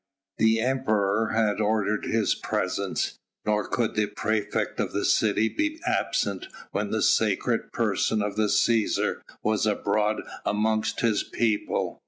The Emperor had ordered his presence, nor could the praefect of the city be absent when the sacred person of the Cæsar was abroad amongst his people.